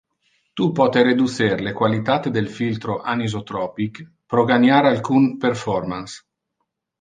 Tu pote reducer le qualitate del filtro an-isotropic pro ganiar alcun performance.